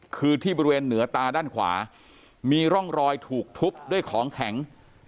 คือที่บริเวณเหนือตาด้านขวามีร่องรอยถูกทุบด้วยของแข็ง